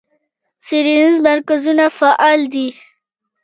څیړنیز مرکزونه فعال دي.